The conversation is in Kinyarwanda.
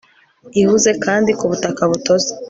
ihuze, kandi, ku butaka butose